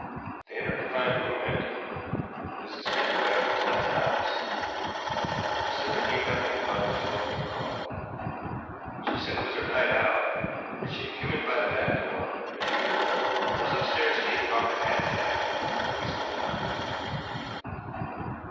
They entered to find the room empty. Mrs. Fitzroy was not in the house. The servant knew nothing about the telephone call. She said it was her night out, that she had come in by the back door, as usual, and was upstairs taking off her hat and jacket when the policeman knocked.